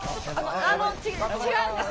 あの違うんです。